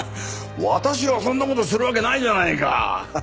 私がそんな事するわけないじゃないか。